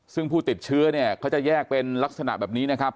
ซึ่งผู้ติดเชื้อเนี่ยเขาจะแยกเป็นลักษณะแบบนี้นะครับ